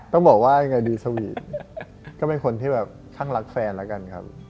ต้องบอกว่ายังไงดีสวีทก็เป็นคนที่แบบช่างรักแฟนแล้วกันครับ